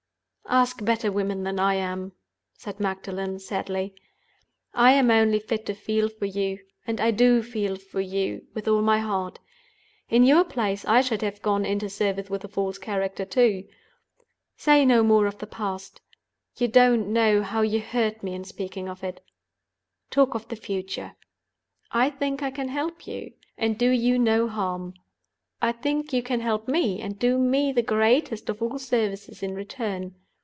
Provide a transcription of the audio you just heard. "Ask better women than I am," said Magdalen, sadly. "I am only fit to feel for you, and I do feel for you with all my heart. In your place I should have gone into service with a false character, too. Say no more of the past—you don't know how you hurt me in speaking of it. Talk of the future. I think I can help you, and do you no harm. I think you can help me, and do me the greatest of all services in return.